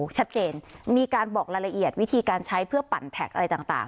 ชัดเจนมีการบอกรายละเอียดวิธีการใช้เพื่อปั่นแท็กอะไรต่าง